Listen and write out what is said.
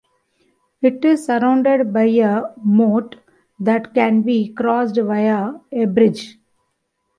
It is surrounded by a moat that can be crossed via a bridge.